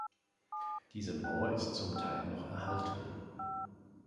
Diese Mauer ist zum Teil noch erhalten.